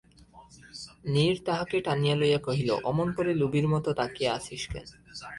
নীর তাহাকে টানিয়া লইয়া কহিল, অমন করে লোভীর মতো তাকিয়ে আছিস কেন?